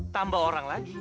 tambah orang lagi